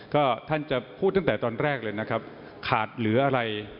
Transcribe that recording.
ก็ท่านจะพูดตั้งแต่ตอนแรกเลยนะครับขาดเหลืออะไร